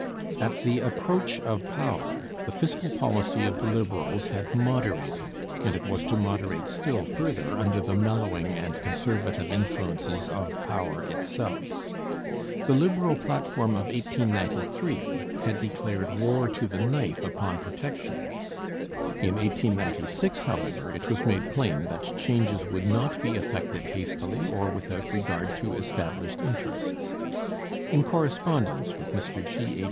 At the approach of power the fiscal policy of the Liberals had moderated, and it was to moderate still further under the mellowing and conservative influences of power itself. The Liberal platform of 1893 had declared war to the knife upon protection. In 1896, however, it was made plain that changes would not be effected hastily or without regard to established interests. In correspondence with Mr G. H.